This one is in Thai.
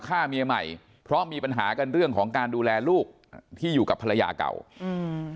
ฆ่าเมียใหม่เพราะมีปัญหากันเรื่องของการดูแลลูกที่อยู่กับภรรยาเก่าอืม